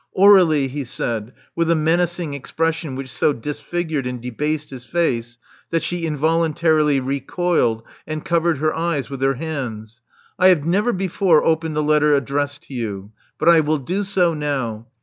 "Aur^lie," he said, with >sl menacing expression which so disfigured and debased his face that she involuntarily recoiled and covered her eyes with her hands : I have never before opened a letter addressed to you; but I will do so now.